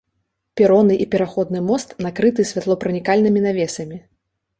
Пероны і пераходны мост накрыты святлопранікальнымі навесамі.